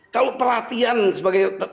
kalau perhatian sebagai